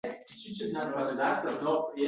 Kel, bir on jim o’yga cho’maylik.